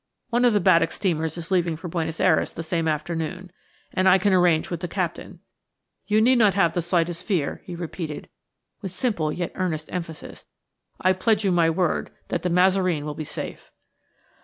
One of the Baddock steamers is leaving for Buenos Ayres the same afternoon, and I can arrange with the captain. You need not have the slightest fear," he repeated, with simple yet earnest emphasis; "I pledge you my word that De Mazareen will be safe."